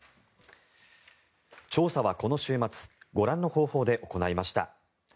調査はこの週末ご覧の方法で行いました。